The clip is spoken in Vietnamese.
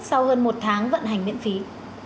sau hơn một tháng vận hành miễn phí